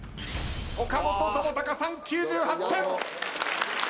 岡本知高さん９８点。